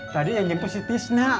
tadi yang jemput si tis nak